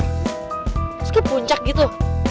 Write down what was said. terus ke puncak gitu